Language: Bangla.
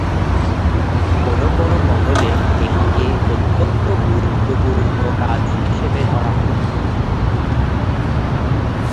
কোন কোন মহলে এটিকে অত্যন্ত গুরুত্বপূর্ণ কাজ হিসাবে ধরা হতো।